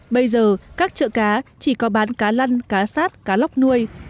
bây giờ các chợ cá chỉ có bán cá lăn cá sát cá lóc nuôi